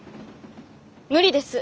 無理です。